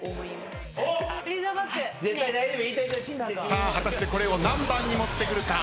さあ果たしてこれを何番に持ってくるか？